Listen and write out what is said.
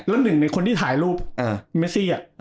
แล้วหนึ่งในคนที่ถ่ายรูปเมซี่